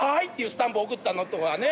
スタンプ送ったのとかね。